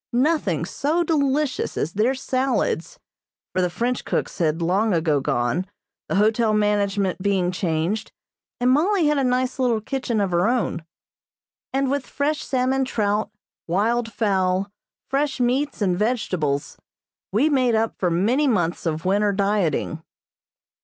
Nothing so delicious as their salads (for the French cooks had long ago gone, the hotel management being changed, and Mollie had a nice little kitchen of her own), and with fresh salmon trout, wild fowl, fresh meats and vegetables, we made up for many months of winter dieting.